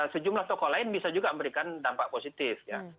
sejumlah tokoh lain bisa juga memberikan dampak positif ya